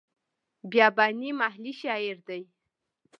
بیاباني محلي شاعر دی.